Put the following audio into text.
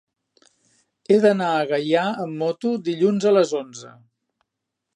He d'anar a Gaià amb moto dilluns a les onze.